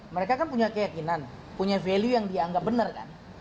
mereka kan punya keyakinan punya value yang dianggap benar kan